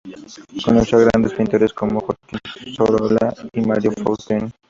Conoció a grandes pintores como Joaquín Sorolla y Mariano Fortuny.